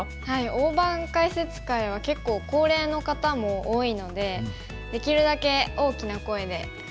大盤解説会は結構高齢の方も多いのでできるだけ大きな声で話すようにしています。